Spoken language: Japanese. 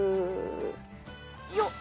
よっ！